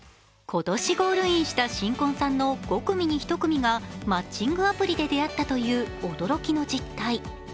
今年ゴールインした新婚さんの５組に１人が、マッチングアプリで出会ったという驚きの実態。